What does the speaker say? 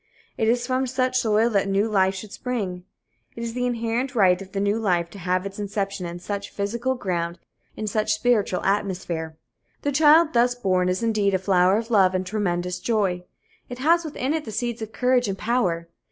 It is from such soil that the new life should spring. It is the inherent right of the new life to have its inception in such physical ground, in such spiritual atmosphere. The child thus born is indeed a flower of love and tremendous joy. It has within it the seeds of courage and of power.